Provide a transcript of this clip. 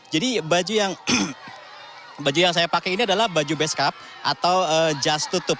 jadi baju yang saya pakai ini adalah baju beskap atau jas tutup